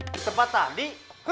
di tempat tadi